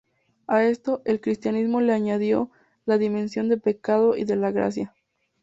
A esto, el cristianismo le añade la dimensión del pecado y de la Gracia.